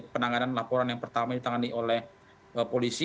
penanganan laporan yang pertama ditangani oleh polisi